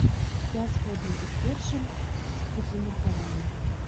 Я згодны і з першым, і з другім меркаваннем.